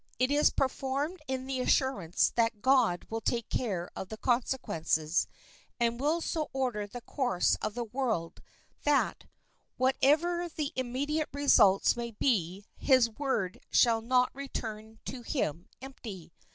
It is performed in the assurance that God will take care of the consequences, and will so order the course of the world that, whatever the immediate results may be, his word shall not return to him empty.